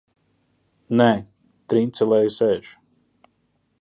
Nē, Trince lai sēž!